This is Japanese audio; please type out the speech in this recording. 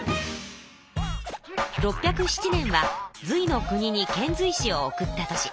６０７年は隋の国に遣隋使を送った年。